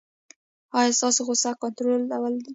ایا ستاسو غوسه کنټرول ده؟